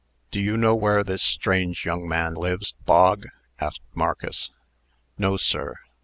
"Do you know where this strange young man lives, Bog?" asked Marcus. "No, sir.